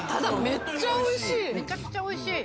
めちゃくちゃおいしい。